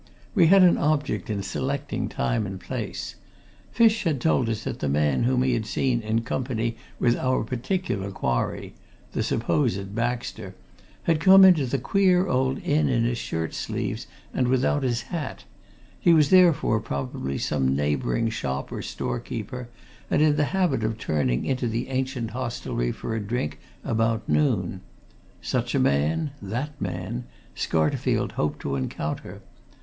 We had an object in selecting time and place. Fish had told us that the man whom he had seen in company with our particular quarry, the supposed Baxter, had come into the queer old inn in his shirt sleeves and without his hat he was therefore probably some neighbouring shop or store keeper, and in the habit of turning into the ancient hostelry for a drink about noon. Such a man that man Scarterfield hoped to encounter.